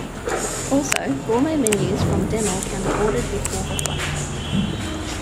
Also, gourmet menus from Demel can be ordered before the flight.